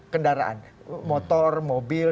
kendaraan motor mobil